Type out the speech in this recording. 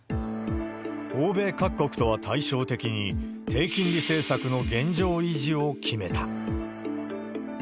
欧米各国とは対照的に、低金利政策の現状維持を決めた。